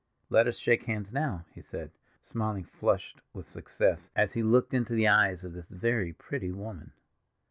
"Let us shake hands now," he said, smiling, flushed with success, as he looked into the eyes of this very pretty woman.